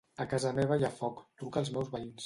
A casa meva hi ha foc; truca als meus veïns.